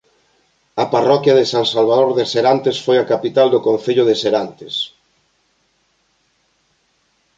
A parroquia de San Salvador de Serantes foi a capital do concello de Serantes.